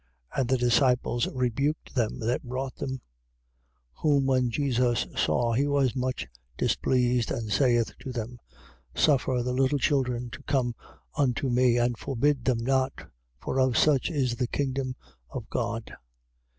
And the disciples rebuked them that brought them. 10:14. Whom when Jesus saw, he was much displeased and saith to them: Suffer the little children to come unto me and forbid them not: for of such is the kingdom of God.